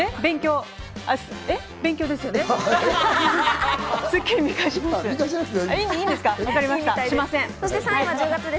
勉強です。